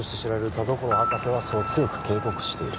「田所博士はそう強く警告している」